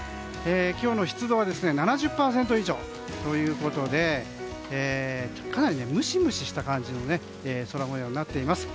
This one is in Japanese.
今日の湿度は７０％以上ということでかなりムシムシした感じの空模様になっています。